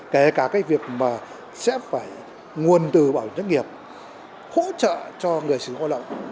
kể cả việc sẽ phải nguồn từ bảo đảm thất nghiệp hỗ trợ cho người sử dụng lao động